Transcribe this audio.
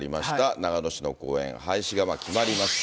長野市の公園、廃止が決まりました。